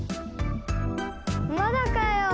まだかよ。